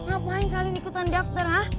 ngapain kalian ikutan daftar ha